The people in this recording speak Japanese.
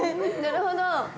なるほど。